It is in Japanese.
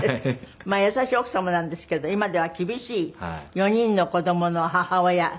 優しい奥様なんですけど今では厳しい４人の子どもの母親